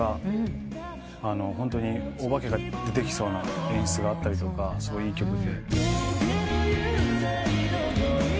ホントにお化けが出てきそうな演出があったりとかすごいいい曲で。